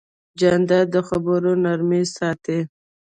جانداد د خبرو نرمي ساتي.